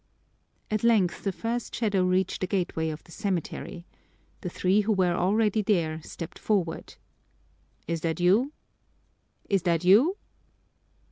At length the first shadow reached the gateway of the cemetery. The three who were already there stepped forward. "Is that you?" "Is that you?"